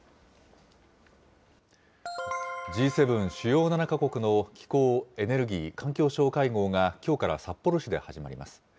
Ｇ７・主要７か国の気候・エネルギー・環境相会合がきょうから札幌市で始まります。